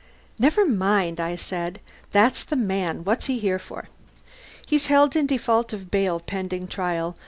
"Never mind," I said. "That's the man. What's he here for?" "He's held in default of bail, pending trial.